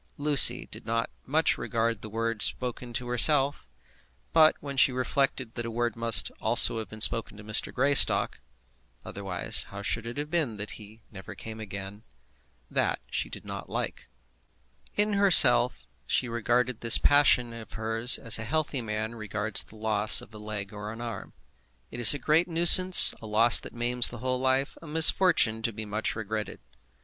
Lucy did not much regard the word spoken to herself; but when she reflected that a word must also have been spoken to Mr. Greystock, otherwise how should it have been that he never came again? that she did not like. In herself she regarded this passion of hers as a healthy man regards the loss of a leg or an arm. It is a great nuisance, a loss that maims the whole life, a misfortune to be much regretted.